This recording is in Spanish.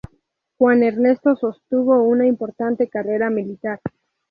Juan Ernesto sostuvo una importante carrera militar.